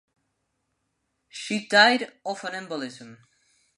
She died of an embolism.